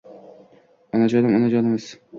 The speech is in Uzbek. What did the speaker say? Onajonim onajonimsiz